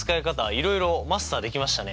いろいろマスターできましたね。